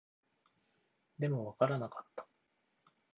でも、わからなかった